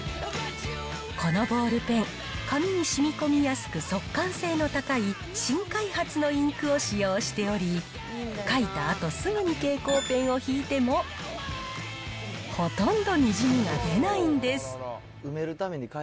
このボールペン、紙にしみこみやすく、速乾性の高い新開発のインクを使用しており、書いたあと、すぐに蛍光ペンを引いても、ほとんどにじみは出ないんです。